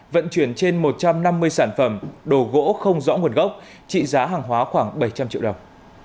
vận chuyển trên một trăm năm mươi sản phẩm đồ gỗ không rõ nguồn gốc trị giá hàng hóa khoảng bảy trăm linh triệu đồng